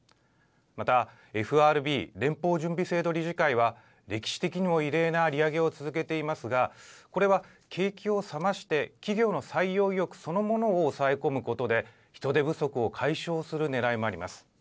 またＦＲＢ＝連邦準備制度理事会は歴史的にも異例な利上げを続けていますがこれは景気を冷まして企業の採用意欲そのものを抑え込むことで人手不足を解消するねらいもあります。